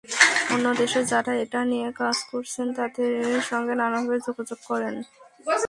অন্য দেশে যাঁরা এটা নিয়ে কাজ করছেন, তাঁদের সঙ্গে নানাভাবে যোগাযোগ করেন।